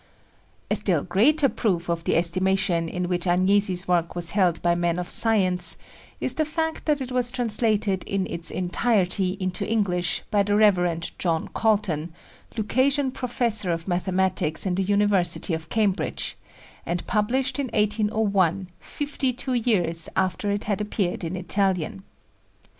A still greater proof of the estimation in which Agnesi's work was held by men of science is the fact that it was translated in its entirety into English by the Rev. John Colton, Lucasian Professor of Mathematics in the University of Cambridge, and published in 1801, fifty two years after it had appeared in Italian.